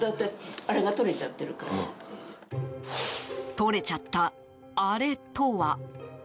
取れちゃった、あれとは。